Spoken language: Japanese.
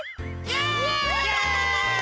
イエイ！